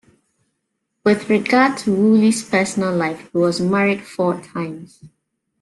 With regard to Wooley's personal life, he was married four times.